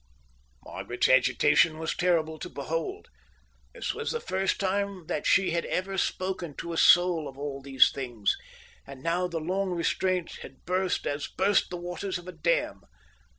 Margaret's agitation was terrible to behold. This was the first time that she had ever spoken to a soul of all these things, and now the long restraint had burst as burst the waters of a dam.